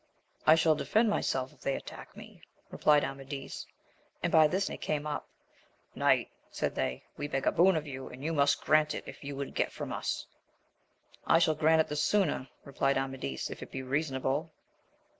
I shall defend myself if they attack me, replied Amadis ; and by this they came up. Knight, said they, we beg a boon of you, and you must grant it if you would get from us. I shall grant it the sooner, replied Amadis, if it be reasonable.